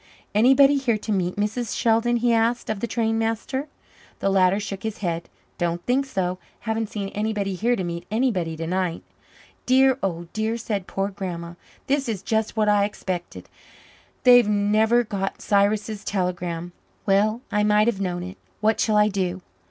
"Anybody here to meet Mrs. Sheldon?" he asked of the station master. The latter shook his head. "Don't think so. Haven't seen anybody here to meet anybody tonight." "Dear, oh dear," said poor Grandma. "This is just what I expected. They've never got Cyrus's telegram. Well, I might have known it. What shall I do?"